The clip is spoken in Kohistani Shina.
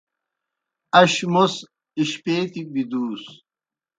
اش موْس اشپیتیْ بِدُوس۔